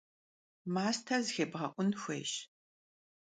Maste zıxêbğe'un xuêyş.